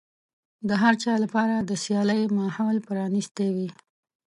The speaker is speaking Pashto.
د هر چا لپاره د سيالۍ ماحول پرانيستی وي.